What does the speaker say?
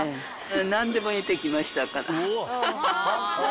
なんでも得てきましたから。